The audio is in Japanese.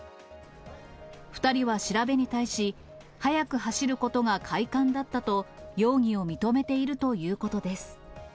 ２人は調べに対し、速く走ることが快感だったと、容疑を認めているということです。